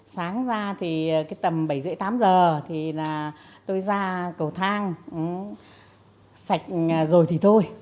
sáng ra thì tầm bảy h ba mươi tám h thì tôi ra cầu thang sạch rồi thì thôi